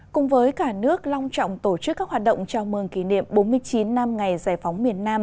cùng với cả nước long trọng tổ chức các hoạt động chào mừng kỷ niệm bốn mươi chín năm ngày giải phóng miền nam